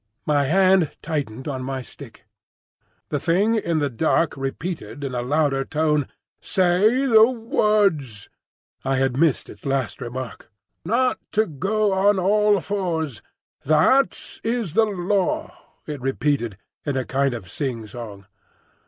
My hand tightened on my stick. The thing in the dark repeated in a louder tone, "Say the words." I had missed its last remark. "Not to go on all fours; that is the Law," it repeated in a kind of sing song.